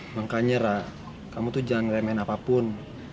makanya ra kamu tuh jangan remein apapun